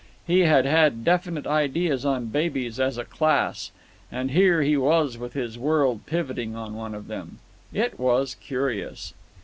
He had had definite ideas on babies as a class. And here he was with his world pivoting on one of them. It was curious.